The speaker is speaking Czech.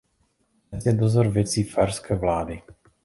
Dnes je dozor věcí Faerské vlády.